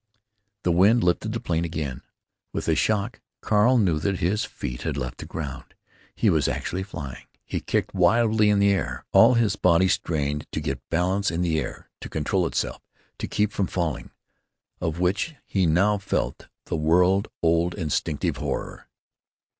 The wind lifted the plane again. With a shock Carl knew that his feet had left the ground. He was actually flying! He kicked wildly in air. All his body strained to get balance in the air, to control itself, to keep from falling, of which he now felt the world old instinctive horror.